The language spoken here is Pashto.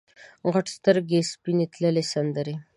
غټ سترګې سپینې تللې سندرې